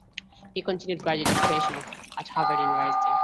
He continued graduate education at Harvard University.